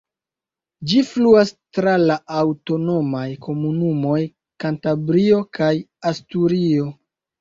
Ĝi fluas tra la aŭtonomaj komunumoj Kantabrio kaj Asturio.